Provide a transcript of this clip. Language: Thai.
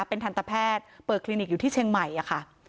เป็นทันตแพทย์เปิดคลินิกอยู่ที่เชียงใหม่ค่ะ